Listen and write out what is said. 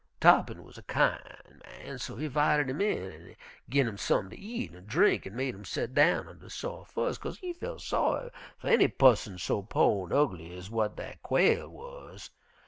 "Tarr'pin wuz a kin' man, so he 'vited him in an' gin him sump'n ter eat an' drink an' made him set down on de sof' furs, 'kase he felt saw'y fer any pusson so po' an' ugly ez w'at Quail wuz.